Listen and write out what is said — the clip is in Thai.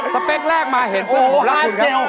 สเปกแรกมาเห็นปุ๊บผมรักคุณครับ